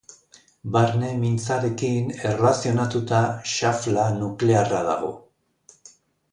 Barne mintzarekin erlazionatuta xafla nuklearra dago.